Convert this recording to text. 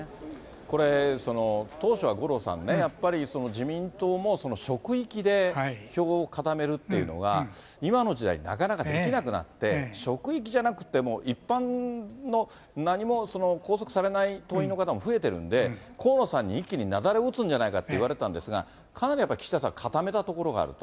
これ、当初は五郎さんね、やっぱり、自民党も職域で票を固めるっていうのが、今の時代、なかなかできなくなって、職域じゃなくっても、一般の、何も拘束されない党員の方も増えてるんで、河野さんに一気に雪崩打つんじゃないかといわれてたんですが、かなりやっぱり岸田さん、固めたところがあると。